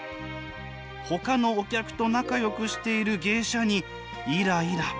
ほかのお客と仲よくしている芸者にイライラ。